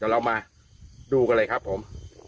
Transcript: เดี๋ยวเรามาดูกันเลยครับผม